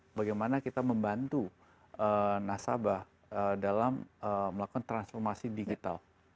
bagaimana kita membantu nasabah dalam melakukan transformasi digital